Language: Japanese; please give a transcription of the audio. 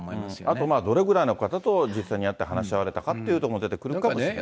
あとまあどれぐらいの方と実際に会って話し合われたかというところも出てくるのかもしれませんね。